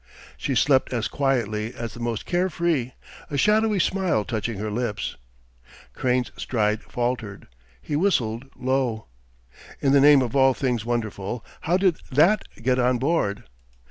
She slept as quietly as the most carefree, a shadowy smile touching her lips. Crane's stride faltered. He whistled low. "In the name of all things wonderful! how did that get on board?"